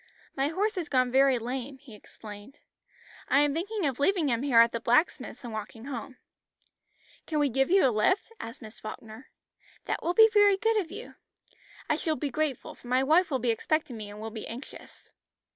"My horse has gone very lame," he explained. "I am thinking of leaving him here at the blacksmith's and walking home." "Can we give you a lift?" asked Miss Falkner. "That will be very good of you. I shall be grateful for my wife will be expecting me and will be anxious."